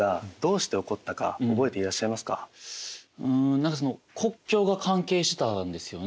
何かその国境が関係してたんですよね